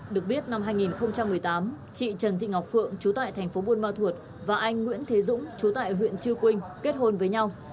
được biết năm hai nghìn một mươi tám chị trần thị ngọc phượng chú tại thành phố buôn ma thuột và anh nguyễn thế dũng chú tại huyện chư quynh kết hôn với nhau